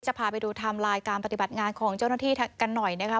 พาไปดูไทม์ไลน์การปฏิบัติงานของเจ้าหน้าที่กันหน่อยนะคะ